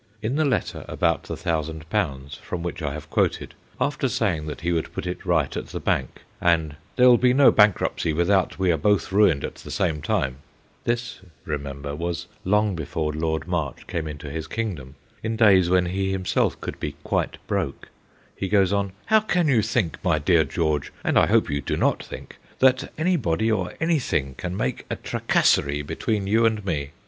In the letter about the thousand pounds from which I have quoted, THE ONE FRIENDSHIP 69 after saying that he would put it right at the bank, and ' there will be no bankruptcy without we are both ruined at the same time ' this, remember, was long before Lord March came into his kingdom, in days when he himself could be ' quite broke ' he goes on :' How can you think, my dear George, and I hope you do not think, that anybody, or anything, can make a tracasserie between you and me